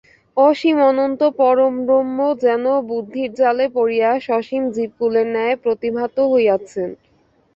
অসীম অনন্ত পরব্রহ্ম যেন বুদ্ধির জালে পড়িয়া সসীম জীবকুলের ন্যায় প্রতিভাত হইতেছেন।